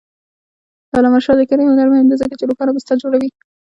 د علامه رشاد لیکنی هنر مهم دی ځکه چې روښانه بستر جوړوي.